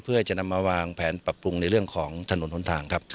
เพื่อจะนำมาวางแผนปรับปรุงในเรื่องของถนนหนทางครับ